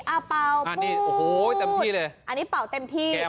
อ้าวเปล่าพูดอันนี้เปล่าเต็มที่